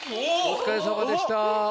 お疲れさまでした。